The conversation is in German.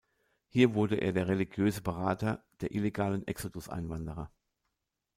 Hier wurde er der religiöse Berater der illegalen Exodus-Einwanderer.